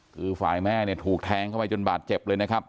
คือฝ่ายแม่ถูกแทงเข้าไปจนบาดเจ็บ